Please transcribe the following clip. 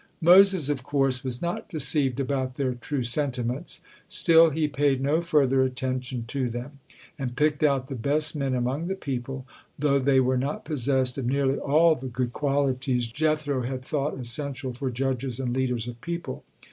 Moses, of course, was not deceived about their true sentiments; still, he paid no further attention to them, and picked out the best men among the people, though they were not possessed of nearly all the good qualities Jethro had thought essential for judges and leaders of people.